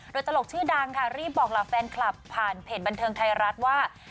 โดยตลกชื่อดังค่ะรีบบอกเหล่าแฟนคลับผ่านเพจบันเทิงไทยรัฐว่า